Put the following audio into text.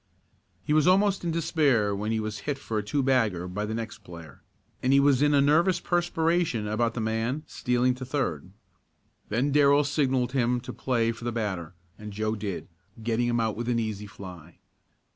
He was almost in despair when he was hit for a two bagger by the next player, and he was in a nervous perspiration about the man stealing to third. Then Darrell signalled him to play for the batter, and Joe did, getting him out with an easy fly.